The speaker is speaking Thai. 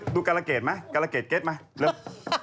การะเกดไหมกรเกรดเก็ตไหม